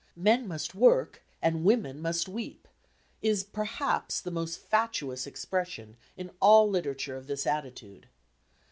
"Men must work and women must weep" is perhaps the most fatuous expression in all literature of this attitude.